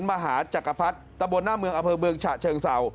มหาจักรพรรดิตะบนหน้าเมืองอเภอเมืองฉะเชิงเศร้า